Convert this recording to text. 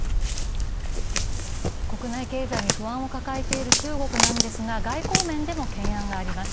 国内経済に不安を抱えている中国なんですが、外交面でも懸案があります。